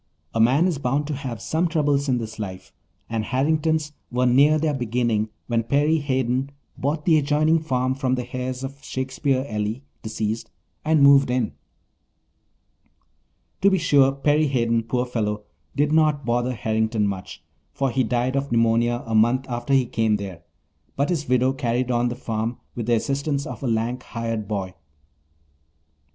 A man is bound to have some troubles in this life, and Harrington's were near their beginning when Perry Hayden bought the adjoining farm from the heirs of Shakespeare Ely, deceased, and moved in. To be sure, Perry Hayden, poor fellow, did not bother Harrington much, for he died of pneumonia a month after he came there, but his widow carried on the farm with the assistance of a lank hired boy.